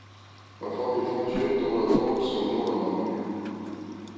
La famille Venture donna donc son nom à la rue.